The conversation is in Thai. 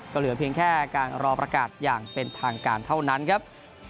ก็เหลือเพียงแค่การรอประกาศอย่างเป็นทางการเท่านั้นครับ